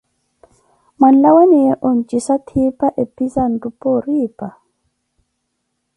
mwanlawaniye onjisa ttipa ephi za eluphooripa ?